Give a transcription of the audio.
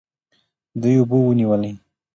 دوی اوبه ونیولې.